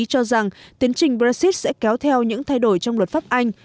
cho rằng tiến trình brexit sẽ kéo theo những thay đổi trong luật pháp anh